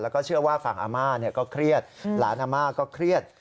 แล้วก็เชื่อว่าฝั่งอาม่าก็เครียดหลานอาม่าก็เครียด